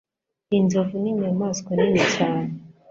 Inzovu ninyamaswa nini cyane.